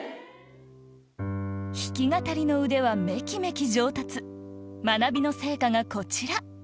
弾き語りの腕はめきめき上達学びの成果がこちら